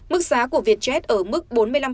mức giá của việt jet ở mức bốn mươi năm bảy